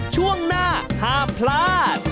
ช่วงหน้าห้ามพลาด